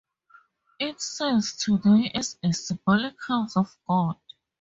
It serves today as a "Symbolic House of God".